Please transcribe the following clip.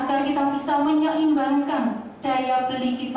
agar kita bisa menyeimbangkan daya beli kita